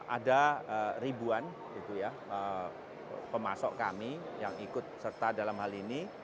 ada ribuan pemasok kami yang ikut serta dalam hal ini